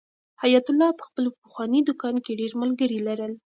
حیات الله په خپل پخواني دوکان کې ډېر ملګري لرل.